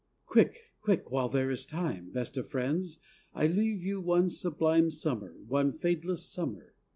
Quick, quick ... while there is time.... O best of friends, I leave you one sublime Summer, one fadeless summer.